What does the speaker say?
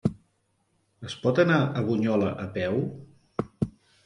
Es pot anar a Bunyola a peu?